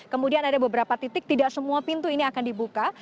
kemudian ada beberapa titik tidak semua pintu ini akan dibuka